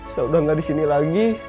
saya udah gak disini lagi